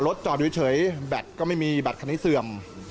จอดอยู่เฉยแบตก็ไม่มีบัตรคันนี้เสื่อม